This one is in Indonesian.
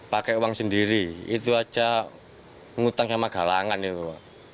pakai uang sendiri itu aja menghutang sama galangan itu